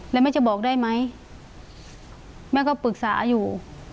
แล้วแม่จะบอกได้ไหมแม่ก็ปรึกษาอยู่